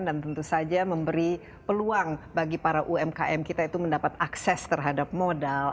dan tentu saja memberi peluang bagi para umkm kita itu mendapat akses terhadap modal